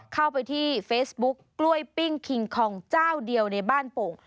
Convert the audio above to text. เข้าไปที่เฟซบุ๊กกล้วยปิ้งคิงคองเจ้าเดียวในบ้านโป่ง